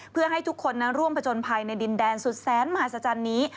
เพื่อให้ทุกคนนั้นร่วมผจญภัยในดินแดนสุดแสนมหัศจรรย์นี้